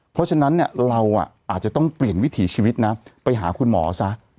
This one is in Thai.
เพราะฉะนั้นเราอาจจะต้องเปลี่ยนวิถีชีวิตนะไปหาคุณหมอซะ